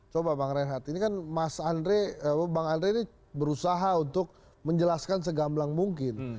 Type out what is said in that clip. coba bang reinhardt ini kan mas andre bang andre ini berusaha untuk menjelaskan segamblang mungkin